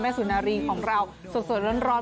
แม่สุนารีของเราสวยร้อน